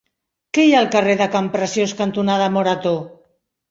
Què hi ha al carrer Campreciós cantonada Morató?